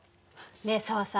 ねえ紗和さん